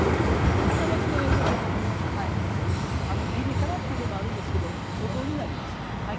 たかのつめは入れてねピリ辛というのもあるんですけど保存になります。